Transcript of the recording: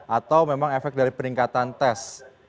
atau memang efek dari peningkatan tes